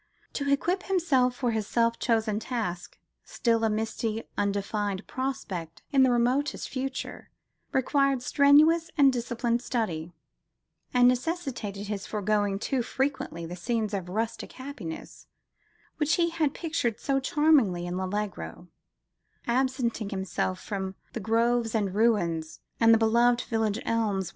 To equip himself for his self chosen task, still a misty, undefined prospect in the remotest future, required strenuous and disciplined study; and necessitated his forgoing too frequently the scenes of rustic happiness which he had pictured so charmingly in L'Allegro, absenting himself from "The groves and ruins, and the beloved village elms